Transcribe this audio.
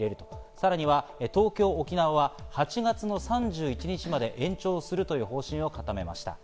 さらには東京、沖縄は８月の３１日まで延長するという方針を固めました。